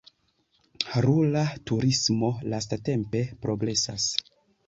Rura turismo lastatempe progresas.